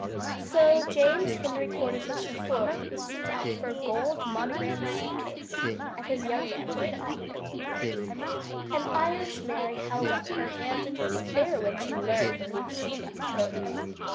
So James Henry Cordyce's chauffeur was sent for a gold monogrammed suitcase and his young man to wait upon him, and Irish Mary held up her hands in despair when she learned for whom she must cook.